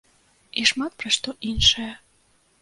І шмат пра што іншае.